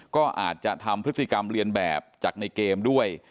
ก็อาจจะทำพฤติกรรมเรียนแบบจากในเกมด้วย